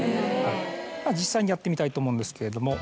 実際にやってみたいと思うんですけれども。